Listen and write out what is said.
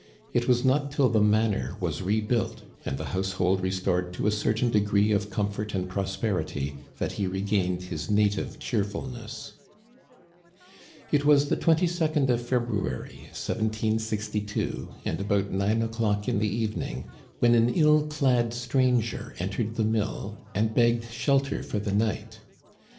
It was not till the manor was re built and the household restored to a certain degree of comfort and prosperity that he regained his native cheerfulness. Digitized by VjOOQIC THE SHIPWRECK OF THE AUGUSTE. 215 It was the 22d of February, 1762, and about nine o'clock in the evening, when an ill clad stranger entered the mill and begged shelter for the night.